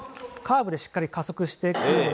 カーブでしっかり加速していて。